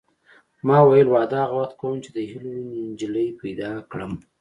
ما ویل واده هغه وخت کوم چې د هیلو نجلۍ پیدا کړم